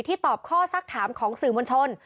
ตอบข้อสักถามของสื่อมวลชน